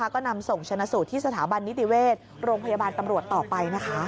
ก็นำส่งชนะสูตรที่สถาบันนิติเวชโรงพยาบาลตำรวจต่อไปนะคะ